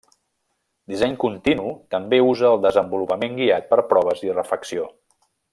Disseny continu també usa el desenvolupament guiat per proves i refacció.